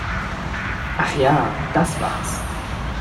Ach ja, das war's!